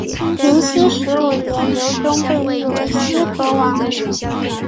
延熙十五年刘琮被立为西河王。